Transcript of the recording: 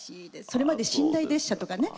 それまで寝台列車とかね